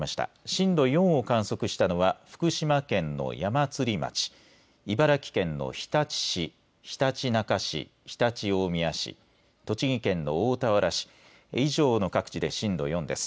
震度４を観測したのは福島県の矢祭町、茨城県の日立市、ひたちなか市、常陸大宮市、栃木県の大田原市、以上の各地で震度４です。